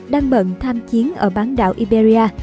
đang bận tham chiến ở bán đảo iberia